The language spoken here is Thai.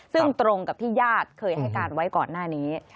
ซึ่งตรงกับที่ญาติเคยให้การไว้ก่อนหน้านี้